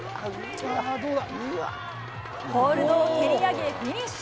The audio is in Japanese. ホールドを蹴り上げフィニッシュ。